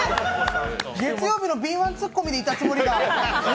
月曜日の敏腕ツッコミでいたつもりが、ええっ！？